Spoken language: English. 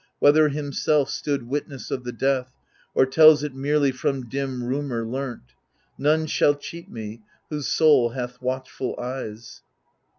Whether himself stood witness of the death. Or tells it merely from dim rumour learnt : None shall cheat me, whose soul hath watchftd eyes.